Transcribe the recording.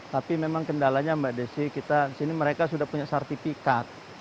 tapi memang kendalanya mbak desi disini mereka sudah punya sertifikat